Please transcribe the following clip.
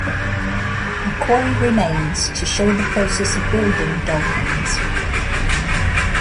A quarry remains to show the process of building dolmens.